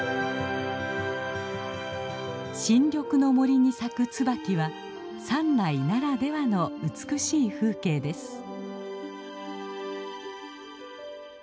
新緑の森に咲くツバキは山内ならではの美しい風景です。